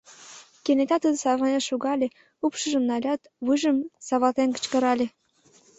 Кенета тудо савырнен шогале, упшыжым налят, вуйжым савалтен кычкырале: